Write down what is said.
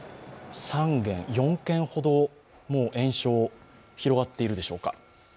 ４軒ほどもう延焼、広がっているでしょうか。